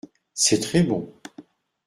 C’est très bon.